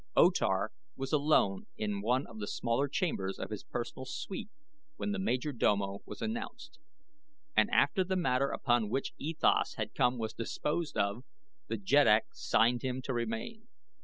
O Tar was alone in one of the smaller chambers of his personal suite when the major domo was announced, and after the matter upon which E Thas had come was disposed of the jeddak signed him to remain.